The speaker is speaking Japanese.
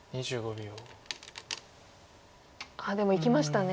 あっでもいきましたね。